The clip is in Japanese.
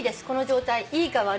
いいか悪いかで。